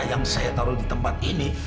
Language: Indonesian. yang saya taruh di tempat ini